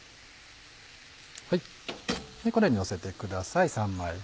このようにのせてください３枚。